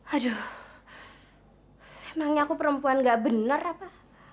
aduh emangnya aku perempuan gak benar apa